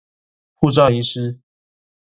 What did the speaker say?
護照遺失